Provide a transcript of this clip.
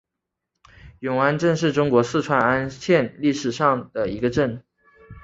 永安镇是中国四川安县历史上的一个镇。